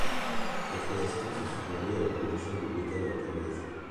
Cette résistance est souvent liée à la production de bêta-lactamases.